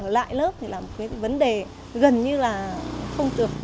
lại lớp thì là một cái vấn đề gần như là không được